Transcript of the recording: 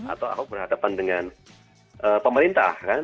atau ahok berhadapan dengan pemerintah kan